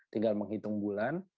tinggal menghitung bulan